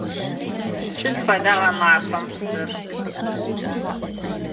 Сыд фэда гъэмафэм псыр?